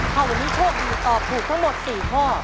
ถ้าวันนี้โชคดีตอบถูกทั้งหมด๔ข้อ